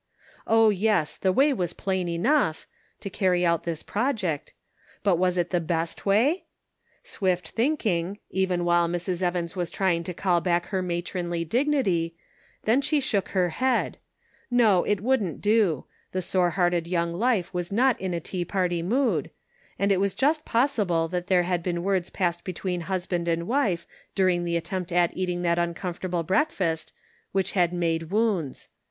Oh, yes, the way was plain enough (to carry out this project), but was it the best way ? Swift thinking, even while Mrs. Evans was trying to call back her matronly dignity, then she shook her head — no, it wouldn't do ; the sore hearted young wife was not in a tea party mood, and it was just possible that there had 310 The Pocket Measure. words passed between husband and wife during the attempt at eating that uncomfortable break fast, which had made wounds.